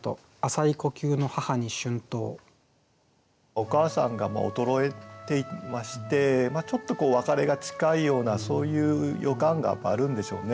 お母さんがもう衰えていましてちょっとこう別れが近いようなそういう予感があるんでしょうね。